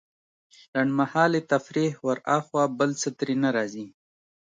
لنډمهالې تفريح وراخوا بل څه ترې نه راځي.